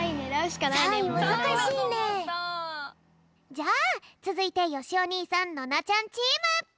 じゃあつづいてよしお兄さんノナちゃんチーム！